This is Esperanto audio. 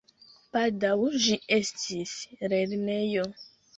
Baldaŭ ĝi estis lernejo.